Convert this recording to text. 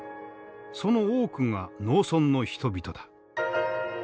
その多くが農村の人々だ。